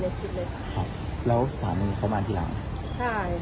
ใช่สามีเขามีกันแล้วพูดว่าอะไรบ้างไหม